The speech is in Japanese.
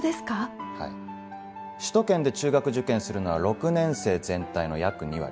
首都圏で中学受験するのは６年生全体の約２割。